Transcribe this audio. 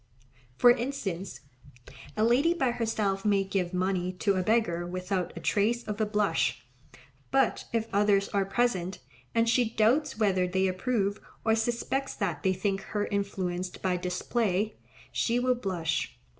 For instance, a lady by herself may give money to a beggar without a trace of a blush, but if others are present, and she doubts whether they approve, or suspects that they think her influenced by display, she will blush.